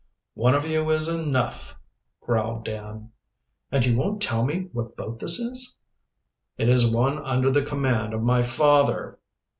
"One of you is enough," growled Dan. "And you won't tell me what boat this is?" "It is one under the command of my father."